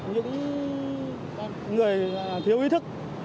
những người thiếu ý thức